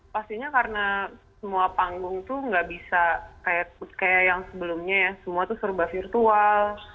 pastinya karena semua panggung tuh nggak bisa kayak yang sebelumnya ya semua tuh serba virtual